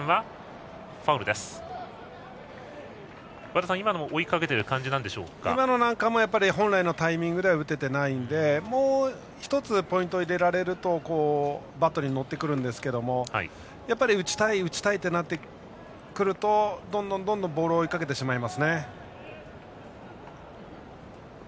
和田さん、今のも今のなんかも本来のタイミングでは打てていないのでもう１つポイントを入れられるとバットに乗ってくるんですがやっぱり打ちたいとなってくるとどんどんボールを追いかけてしまいますね。